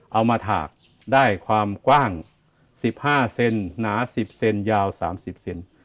มาถากได้ความกว้าง๑๕เซนหนา๑๐เซนยาว๓๐เซน